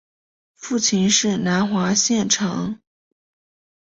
父亲是南华县丞。